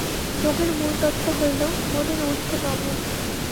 যোগের মূলতত্ত্ব হইল, মনের ঊর্ধ্বে গমন।